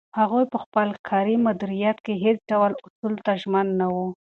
هغوی په خپل کاري مدیریت کې هیڅ ډول اصولو ته ژمن نه وو.